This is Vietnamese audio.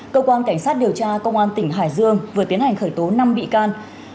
cơ quan cảnh sát điều tra công an tỉnh hải dương vừa tiến hành khởi tố năm bị can